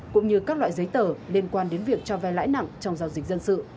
cũng như các loại giấy tờ liên quan đến việc cho vay lãi nặng trong giao dịch dân sự